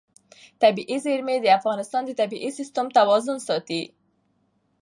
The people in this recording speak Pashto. طبیعي زیرمې د افغانستان د طبعي سیسټم توازن ساتي.